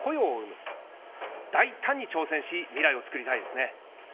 大胆に挑戦し、未来を作りたいですね。